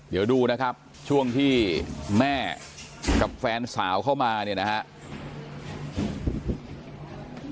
เดี๋ยวดูนะครับช่วงที่แม่กับแฟนสาวเข้ามาเนี่ยนะครับ